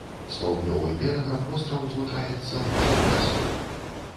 З паўднёвым берагам востраў злучаецца вузкай касой.